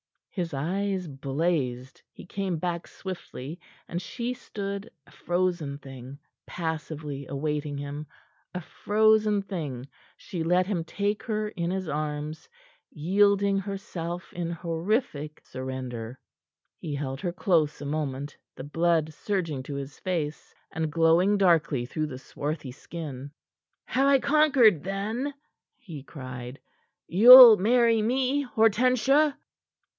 His eyes blazed. He came back swiftly, and she stood, a frozen thing, passively awaiting him; a frozen thing, she let him take her in his arms, yielding herself in horrific surrender. He held her close a moment, the blood surging to his face, and glowing darkly through the swarthy skin. "Have I conquered, then?" he cried. "You'll marry me, Hortensia?"